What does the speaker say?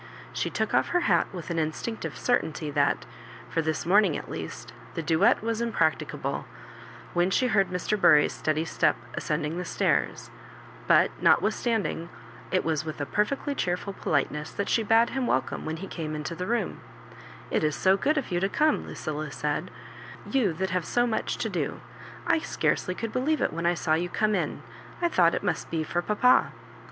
She took off her hat with an instinctive certainty that, for this morning at least, the duet was impracticable, when she heard Mr. Bury's steady step a3cen(Bng the st^urs ; but, notwith standing, it was with a perfectly cheerful polite ness that she bade him welcome when he came into the room*, " It is so good of you to come," Lucilla said ;" you that have so much to do. I scarcely could believe it when I saw you com© in: I thought it must be for papa."